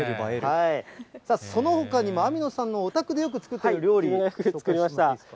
そのほかにも網野さんのお宅でよく作っている料理。作りました。